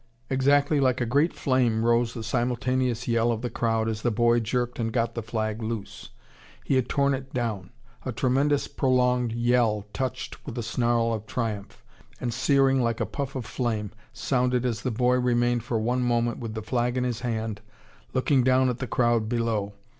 Exactly like a great flame rose the simultaneous yell of the crowd as the boy jerked and got the flag loose. He had torn it down. A tremendous prolonged yell, touched with a snarl of triumph, and searing like a puff of flame, sounded as the boy remained for one moment with the flag in his hand looking down at the crowd below.